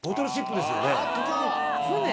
船？